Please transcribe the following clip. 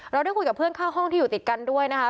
ได้คุยกับเพื่อนข้างห้องที่อยู่ติดกันด้วยนะคะ